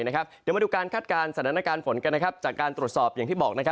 เดี๋ยวมาดูการคาดการณ์สถานการณ์ฝนกันจากการตรวจสอบอย่างที่บอก